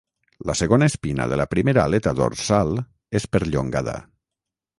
La segona espina de la primera aleta dorsal és perllongada.